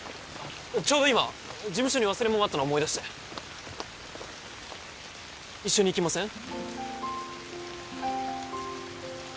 ちょうど今事務所に忘れ物あったの思い出して一緒に行きません？